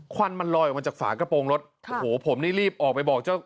ควันมันลอยออกมาจากฝากระโปรงรถโอ้โหผมนี่รีบออกไปบอกเจ้า